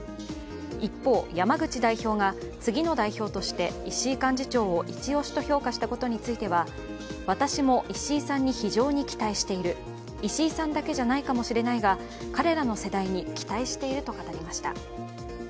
一方、山口代表が次の代表として石井幹事長をいちおしとして評価したことについては私も石井さんに非常に期待している、石井さんだけじゃないかもしれないが、彼らの世代に期待していると語りました。